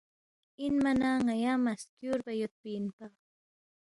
انما نہ ن٘یا مہ سکیُوربا یودپی اِنپا